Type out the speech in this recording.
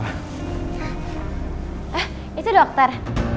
eh itu dokter